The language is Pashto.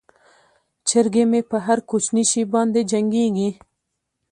چرګې مې په هر کوچني شي باندې جنګیږي.